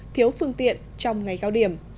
thiếu phương tiện trong ngày cao điểm